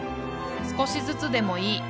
少しずつでもいい。